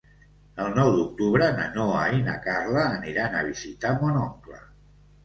El nou d'octubre na Noa i na Carla aniran a visitar mon oncle.